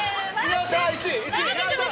よっしゃ１位！